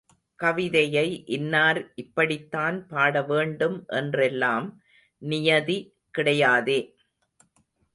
கவிதையை இன்னார் இப்படித்தான் பாட வேண்டும் என்றெல்லாம் நியதி கிடையாதே.